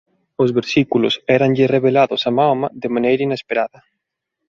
Os versículos éranlle revelados a Mahoma de maneira inesperada.